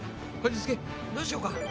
どうしようか？